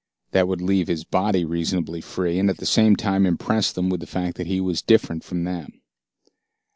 That would leave his body reasonably free, and at the same time impress them with the fact that he was different from them.